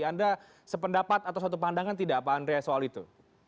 anda sependapat atau satu pandangan tidak pak andrea soal itu